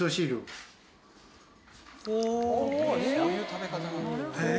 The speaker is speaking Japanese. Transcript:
そういう食べ方なんだ。